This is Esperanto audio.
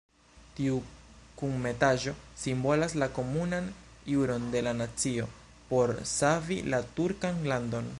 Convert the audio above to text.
Tiu kunmetaĵo simbolas la komunan ĵuron de la nacio por savi la turkan landon.